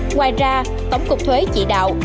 ngoài ra tổng cục thuế chỉ đạo